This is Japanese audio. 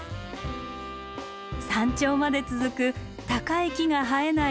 山頂まで続く高い木が生えない